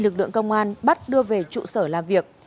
lực lượng công an bắt đưa về trụ sở làm việc